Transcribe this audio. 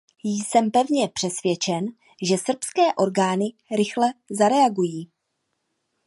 Jsem pevně přesvědčen, že srbské orgány rychle zareagují.